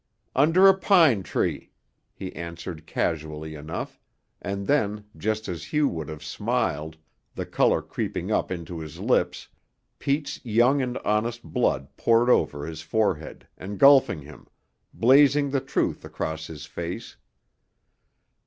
"Under a pine tree," he answered casually enough, and then, just as Hugh would have smiled, the color creeping up into his lips, Pete's young and honest blood poured over his forehead, engulfing him, blazing the truth across his face.